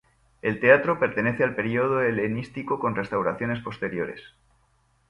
El teatro pertenece al periodo helenístico con restauraciones posteriores.